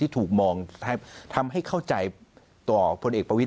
ถูกมองทำให้เข้าใจตัวพลเอกประวิทย